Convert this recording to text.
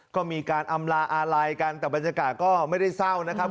ก็มีการอำลาอาลัยกันแต่บรรยากาศก็ไม่ได้เศร้านะครับ